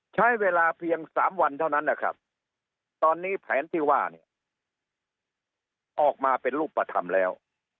ใช้เวลาเพียง๓วันเท่านั้นนะครับตอนนี้แผนที่ว่าเนี่ยออกมาเป็นรูปธรรมแล้ว